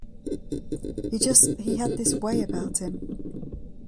He just he had this way about him.